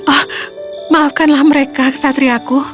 oh maafkanlah mereka kesatriaku